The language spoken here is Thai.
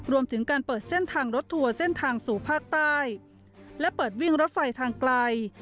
รวมถึงการเปิดเส้นทางรถทัวร์เส้นทางสู่ภาคใต้และเปิดวิ่งรถไฟทางไกล